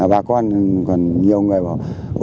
bà con còn nhiều người bảo